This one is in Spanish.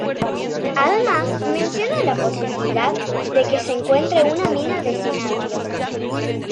Además menciona la posibilidad de que se encuentre una mina de cinabrio.